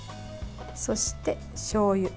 そして、しょうゆ。